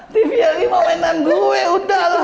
tvri mau mainan gue udah lah